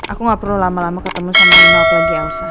aku gak perlu lama lama ketemu sama not lagi elsa